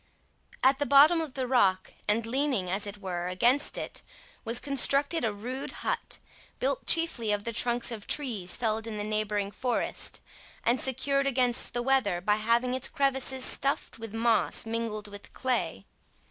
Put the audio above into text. At the bottom of the rock, and leaning, as it were, against it, was constructed a rude hut, built chiefly of the trunks of trees felled in the neighbouring forest, and secured against the weather by having its crevices stuffed with moss mingled with clay.